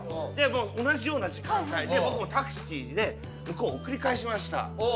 もう同じような時間帯で僕もタクシーで向こうを送り返しました。